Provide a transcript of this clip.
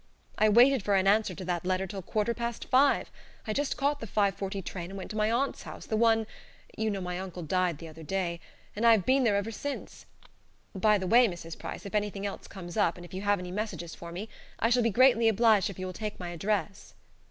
I waited for an answer to that letter until quarter past five. I just caught the 5.40 train and went to my aunt's house, the one you know my uncle died the other day I have been there ever since. By the way, Mrs. Price, if anything else comes up, and if you have any messages for me, I shall be greatly obliged if you will take my address."